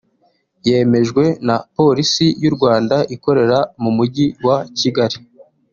yemejwe na Polisi y’u Rwanda ikorera mu mujyi wa Kigali